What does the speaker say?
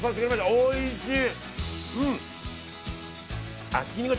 おいしい。